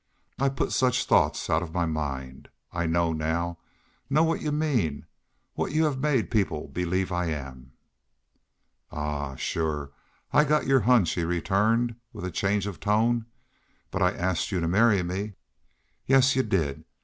I put such thoughts out of my mind. I know now know what y'u mean what y'u have made people believe I am." "Ahuh! Shore I get your hunch," he returned, with a change of tone. "But I asked you to marry me?" "Yes y'u did.